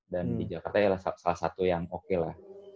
dan di jakarta ya salah satu yang oke lah